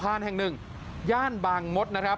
แห่งหนึ่งย่านบางมดนะครับ